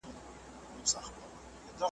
چي تر شا وه پاته سوي دوه ملګري .